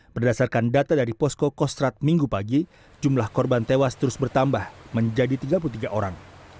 berdasarkan data dari posko kostrat minggu pagi jumlah korban tewas terus bertambah menjadi tiga puluh tiga orang